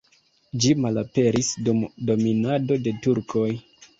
Ĝi malaperis dum dominado de turkoj.